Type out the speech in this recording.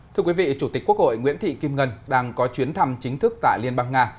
thưa quý vị chủ tịch quốc hội nguyễn thị kim ngân đang có chuyến thăm chính thức tại liên bang nga